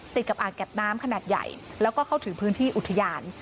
ติดกับอ่างเก็บน้ำขนาดใหญ่แล้วก็เข้าถึงพื้นที่อุทยาน